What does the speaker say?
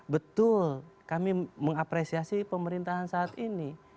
betul kami mengapresiasi pemerintahan saat ini